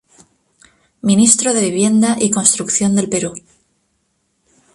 Ministro de Vivienda y Construcción del Perú.